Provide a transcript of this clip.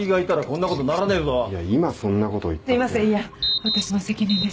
いや私の責任です。